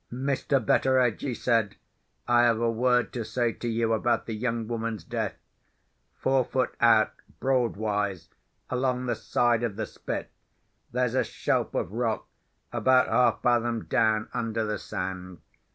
"Mr. Betteredge," he said, "I have a word to say to you about the young woman's death. Four foot out, broadwise, along the side of the Spit, there's a shelf of rock, about half fathom down under the sand.